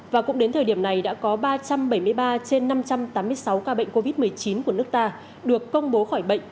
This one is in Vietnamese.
và cũng đến thời điểm này đã có ba trăm bảy mươi ba trên năm trăm tám mươi sáu ca bệnh covid một mươi chín của nước ta được công bố khỏi bệnh